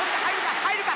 入るか？